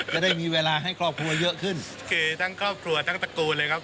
จะได้มีเวลาให้ครอบครัวเยอะขึ้นโอเคทั้งครอบครัวทั้งตะโกนเลยครับ